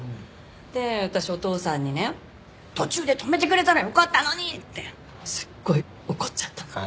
で私お父さんにね「途中で止めてくれたらよかったのに！」ってすっごい怒っちゃったの。